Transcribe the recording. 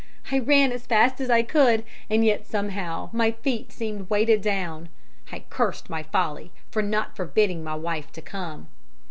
I ran as fast as I could, and yet somehow my feet seemed weighted down. I cursed my folly for not forbidding my wife to come.